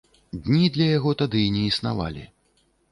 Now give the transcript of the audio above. Дні для яго тады не існавалі.